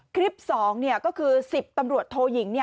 คลิป๒ก็คือ๑๐ตำรวจโทยิง